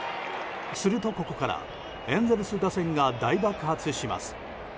すると、ここからエンゼルス打線が大爆発します。